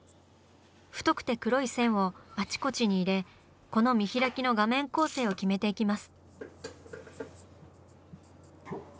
太くて黒い線をあちこちに入れこの見開きの画面構成を決めていきます。